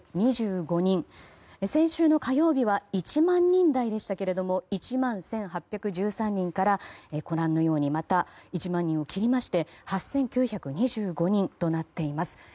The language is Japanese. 先週の火曜日は１万人台でしたが１万１８１３人からご覧のように、また１万人を切りまして８９２５人となっています。